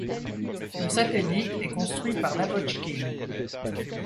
Le satellite est construit par Lavotchkine.